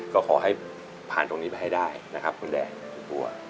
ก็ขอให้ผ่านตรงนี้ไปให้ได้นะครับคุณแดงคุณบัว